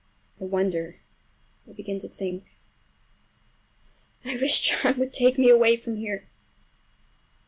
I wonder—I begin to think—I wish John would take me away from here!